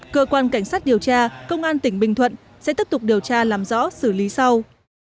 cơ quan cảnh sát điều tra công an tỉnh bình thuận sẽ tiếp tục điều tra làm rõ xử lý sau